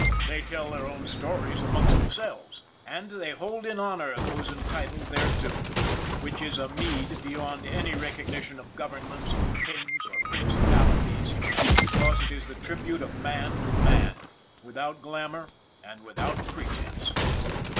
They tell their own stories amongst themselves, and they hold in honor those entitled thereto which is a meed beyond any recognition of governments or kings or princi palities, because it is the tribute of man to man, without glamor and without pretense.